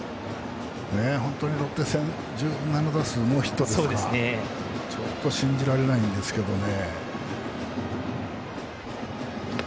本当にロッテ戦１７打数ノーヒットですからちょっと信じられないんですけどね。